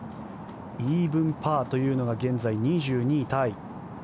イーブンパーというのが現在２２位タイ。